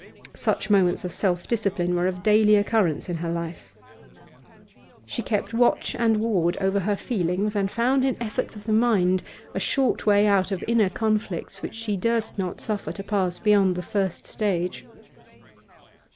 Such moments of self discipline were of daily occurrence in her life; she kept watch and ward over her feelings and found in efforts of the mind a short way out of inner conflicts which she durst not suffer to pass beyond the first stage.